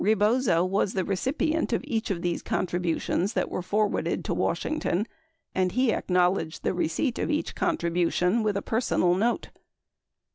Rebozo was the recipient of each of these contributions that were forwarded to Washington, and he acknowledged the receipt of each contribution with a personal note.